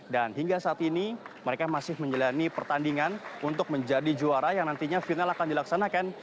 hingga saat ini mereka masih menjalani pertandingan untuk menjadi juara yang nantinya final akan dilaksanakan